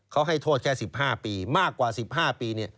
เขาให้โทษแค่๑๕ปีมากกว่า๑๕ปี